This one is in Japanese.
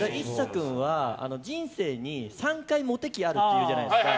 君は人生に３回モテ期があるっていうじゃないですか。